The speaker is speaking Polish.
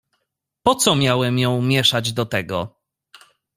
"Po co miałem ją mieszać do tego?"